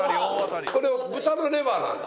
これ豚のレバーなんだ？